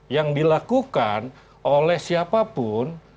yang dilakukan oleh siapapun